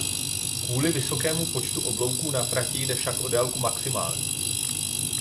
Kvůli vysokému počtu oblouků na trati jde však o délku maximální.